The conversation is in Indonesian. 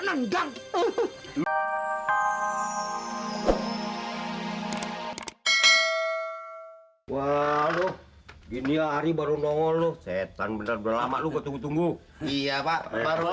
nenggang uh wah gini hari baru nongol lu setan bener bener lama lu tunggu tunggu iya pak baru